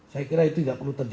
saya kira itu tidak perlu terjadi